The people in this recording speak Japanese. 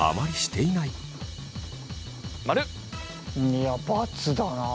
いや×だな。